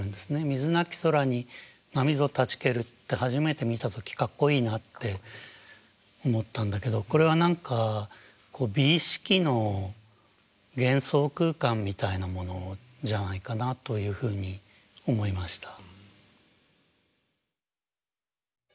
「水なき空に浪ぞたちける」って初めて見た時かっこいいなって思ったんだけどこれは何か美意識の幻想空間みたいなものじゃないかなというふうに思いました。